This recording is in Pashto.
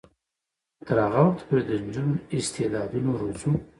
موږ به تر هغه وخته پورې د نجونو استعدادونه روزو.